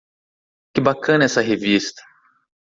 Que bacana essa revista.